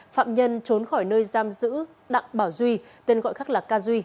phạm nhân trốn khỏi nơi giam giữ đặng bảo duy tên gọi khác là ca duy